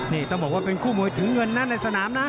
นี่ต้องบอกว่าเป็นคู่มวยถึงเงินนะในสนามนะ